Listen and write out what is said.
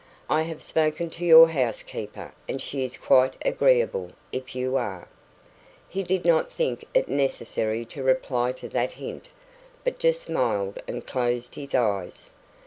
I have spoken to your housekeeper, and she is quite agreeable if you are." He did not think it necessary to reply to that hint, but just smiled and closed his eyes.